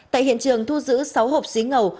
tại hiện trường thu giữ sáu hộp xí ngầu